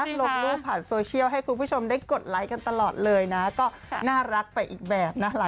ลงรูปผ่านโซเชียลให้คุณผู้ชมได้กดไลค์กันตลอดเลยนะก็น่ารักไปอีกแบบนะคะ